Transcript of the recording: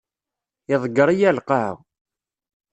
Iḍegger-iyi ar lqaɛa.